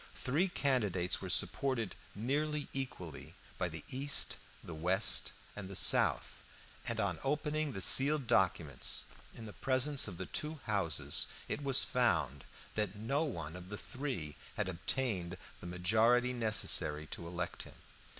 Three candidates were supported nearly equally by the East, the West, and the South, and on opening the sealed documents in the presence of the two houses, it was found that no one of the three had obtained the majority necessary to elect him.